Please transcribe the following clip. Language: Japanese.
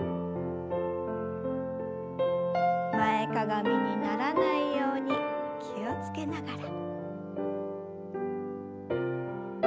前かがみにならないように気を付けながら。